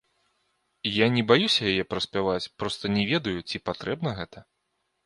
Я не баюся яе праспяваць, проста не ведаю, ці патрэбна гэта.